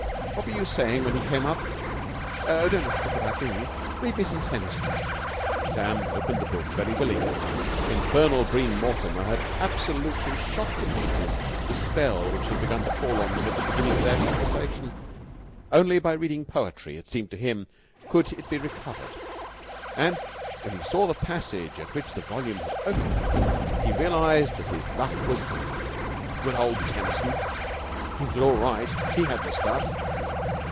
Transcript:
What were you saying when he came up?" "Oh, don't let's talk about me. Read me some Tennyson." Sam opened the book very willingly. Infernal Bream Mortimer had absolutely shot to pieces the spell which had begun to fall on them at the beginning of their conversation. Only by reading poetry, it seemed to him, could it be recovered. And when he saw the passage at which the volume had opened he realised that his luck was in. Good old Tennyson! He was all right. He had the stuff.